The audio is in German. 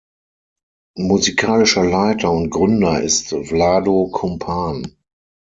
Musikalischer Leiter und Gründer ist Vlado Kumpan.